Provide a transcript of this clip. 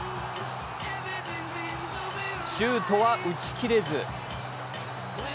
シュートは打ち切れず。